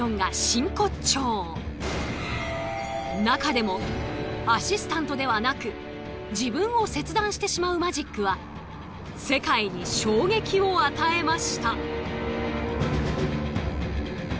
中でもアシスタントではなく自分を切断してしまうマジックは世界に衝撃を与えました。